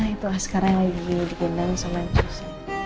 itulah sekarang yang lagi digendang sama yang susah